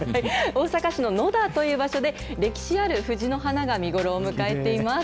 大阪市の野田という場所で、歴史ある藤の花が見頃を迎えています。